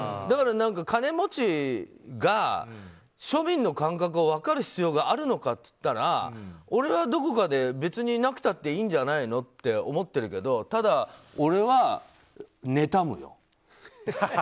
だから金持ちが庶民の感覚を分かる必要があるのかといったら俺はどこかで別になくたっていいんじゃないのって思ってるけどただ、俺はねたむよ。